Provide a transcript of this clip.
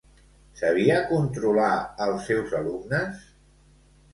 Sabia controlar als seus alumnes?